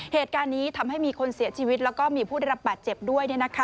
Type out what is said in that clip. เหตุการณ์นี้ทำให้มีคนเสียชีวิตแล้วก็มีผู้ได้รับบาดเจ็บด้วย